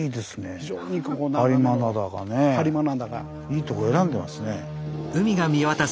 いいとこ選んでますね。